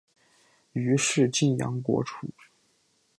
于是泾阳国除。